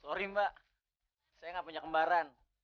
sorry mbak saya nggak punya kembaran